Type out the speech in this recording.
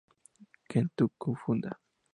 Kento Fukuda